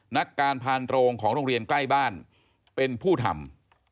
นักการพานโรงของโรงเรียนใกล้บ้านเป็นผู้ทำ